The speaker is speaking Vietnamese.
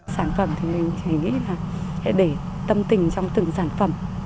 sản phẩm thì mình chỉ nghĩ là để tâm tình trong từng sản phẩm